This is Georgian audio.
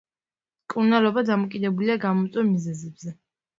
მკურნალობა დამოკიდებულია გამომწვევ მიზეზებზე.